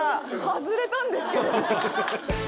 外れたんですけど。